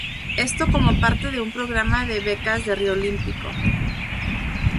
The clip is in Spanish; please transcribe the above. Esto como parte de un programa de becas de Río Olímpico.